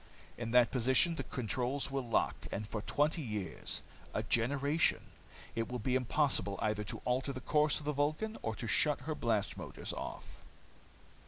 In that position the controls will lock. And for twenty years, a generation, it will be impossible either to alter the course of the Vulcan or to shut her blast motors off.